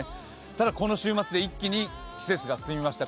ただこの週末で一気に季節が進みました。